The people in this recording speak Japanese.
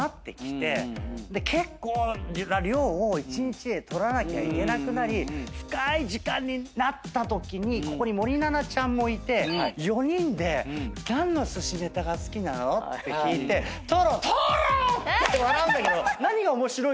結構な量を１日で撮らなきゃいけなくなり深ーい時間になったときにここに森七菜ちゃんもいて４人で何のすしねたが好きなの？って聞いて「トロ」トロ！って笑うんだけど。